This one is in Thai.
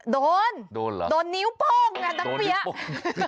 โดนโดนนิ้วโภงแน่น้ำเบี้ยโดนนิ้วโภง